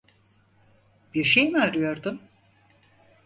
Bir şey mi arıyordun?